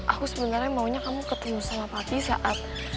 aku sebenarnya maunya kamu ketemu sama pati saat